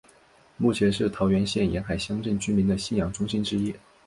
目前是桃园县沿海乡镇居民的信仰中心之一。